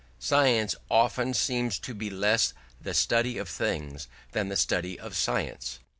Science often seems to be less the study of things than the study of science.